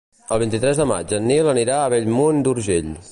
El vint-i-tres de maig en Nil anirà a Bellmunt d'Urgell.